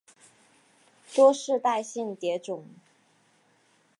多世代性蝶种。